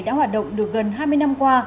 đã hoạt động được gần hai mươi năm qua